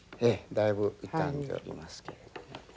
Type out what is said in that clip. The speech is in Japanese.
だいぶ傷んでおりますけれども。